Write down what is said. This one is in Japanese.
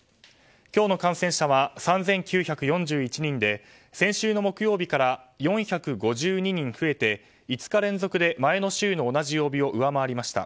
今日の感染者は３９４１人で先週の木曜日から４５２人増えて５日連続で前の週の同じ曜日を上回りました。